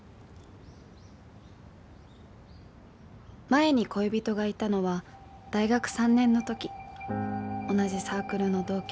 「前に恋人がいたのは大学３年の時、同じサークルの同級生。